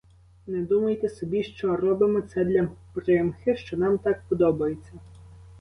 Не думайте собі, що робимо це для примхи, що нам так подобається.